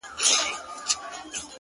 راسه چي الهام مي د زړه ور مات كـړ-